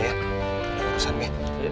udah urusan be